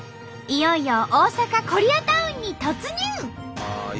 いよいよ大阪コリアタウンに突入！